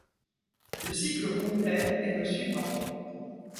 Le cycle complet est le suivant.